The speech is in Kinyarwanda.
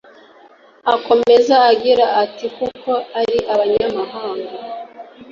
Akomeza agira ati “Kuko ari abanyamahanga